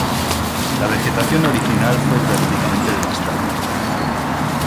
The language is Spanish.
La vegetación original fue prácticamente devastada.